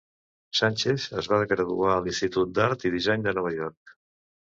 Sanchez es va graduar a l'institut d'art i disseny de Nova York.